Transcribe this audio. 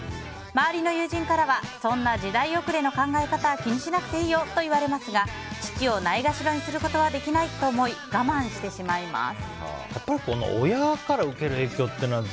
周りの友人からはそんな時代遅れな考えは気にしなくていいよと言われますが父をないがしろにすることはできないと思い我慢してしまいます。